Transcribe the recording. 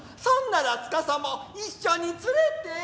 そんなら司も一緒に連れて。